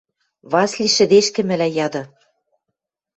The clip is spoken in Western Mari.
– Васли шӹдешкӹмӹлӓ яды.